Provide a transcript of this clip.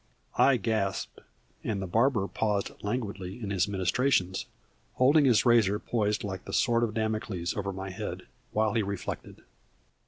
I gasped, and the barber paused languidly in his ministrations, holding his razor poised like the sword of Damocles over my head, while he reflected.